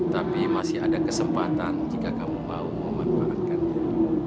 tapi masih ada kesempatan jika kamu mau memanfaatkannya